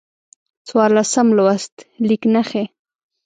څوارلسم لوست: لیک نښې